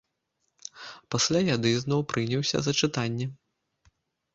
Пасля яды зноў прыняўся за чытанне.